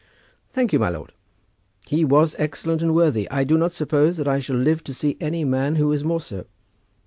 "Thank you, my lord. He was excellent and worthy. I do not suppose that I shall live to see any man who was more so.